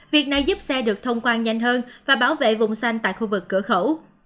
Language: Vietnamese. việc này giúp xe được thông quan nhanh hơn và bảo vệ vùng xanh tại khu vực cửa khẩu